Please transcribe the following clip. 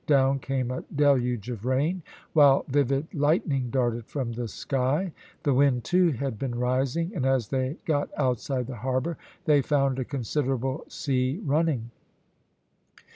Down came a deluge of rain, while vivid lightning darted from the sky; the wind, too, had been rising, and as they got outside the harbour they found a considerable sea running.